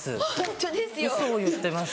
ウソ言ってます。